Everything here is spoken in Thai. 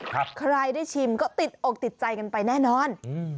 ใครได้ชิมก็ติดอกติดใจกันไปแน่นอนอืม